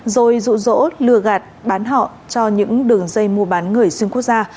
rồi rụ rỗ lừa gạt bán họ cho những đường dây mua bán người xuyên quốc gia